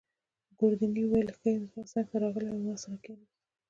ګوردیني وویل: ښه یم. زما څنګته راغلی او راسره کښېناست.